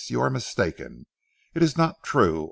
"You are mistaken. It is not true.